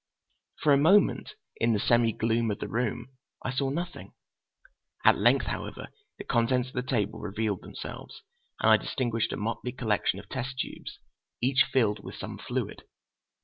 For a moment, in the semi gloom of the room, I saw nothing. At length, however, the contents of the table revealed themselves, and I distinguished a motley collection of test tubes, each filled with some fluid.